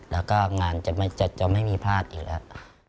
แล้วก็งานจะไม่มีพลาดอีกแล้ว